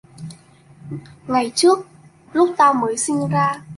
Ngày trước lúc tao mới sinh ra